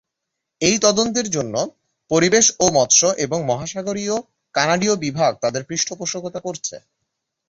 এই তদন্তের জন্য পরিবেশ ও মৎস্য এবং মহাসাগরীয় কানাডীয় বিভাগ তাদের পৃষ্ঠপোষকতা করছে।